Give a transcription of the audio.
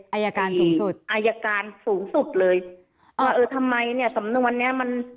อายการสูงสุดอายการสูงสุดเลยว่าเออทำไมเนี่ยสำนวนเนี้ยมัน